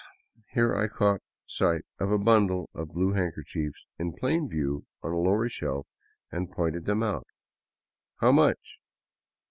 Here I caught sight of a bundle of blue handkerchiefs in plain view on a lower shelf, and pointed them out. " How much